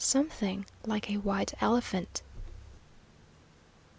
SOMETHING LIKE A WHITE ELEPHANT.